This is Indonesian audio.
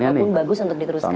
ataupun bagus untuk diteruskan